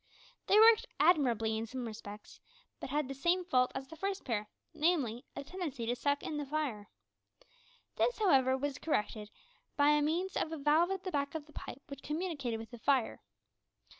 They worked admirably in some respects, but had the same fault as the first pair, namely, a tendency to suck in the fire! This, however, was corrected by means of a valve at the back of the pipe which communicated with the fire.